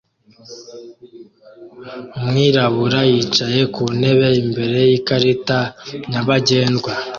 Umwirabura yicaye ku ntebe imbere yikarita nyabagendwa